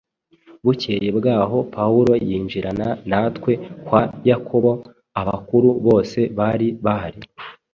Bukeye bwaho Pawulo yinjirana natwe kwa Yakobo; abakuru bose bari bahari.”